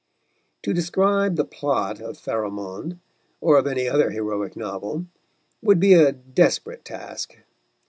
To describe the plot of Pharamond, or of any other heroic novel, would be a desperate task.